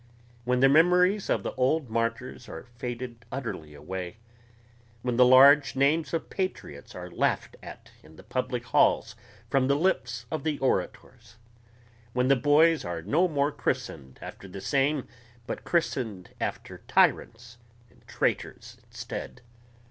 When the memories of the old martyrs are faded utterly away ... when the large names of patriots are laughed at in the public halls from the lips of the orators ... when the boys are no more christened after the same but christened after tyrants and traitors instead